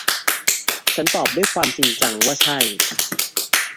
ฉันตอบด้วยความจริงจังว่า ใช่